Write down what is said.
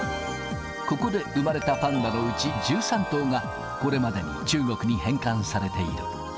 ここで生まれたパンダのうち、１３頭が、これまでに中国に返還されている。